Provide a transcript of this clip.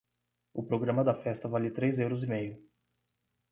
O programa da festa vale três euros e meio.